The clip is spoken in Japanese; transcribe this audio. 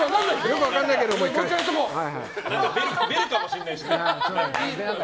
出るかもしれないしね。